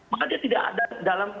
maka dia tidak ada dalam